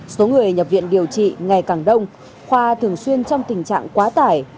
số người nhập viện điều trị ngày càng đông khoa thường xuyên trong tình trạng quá tải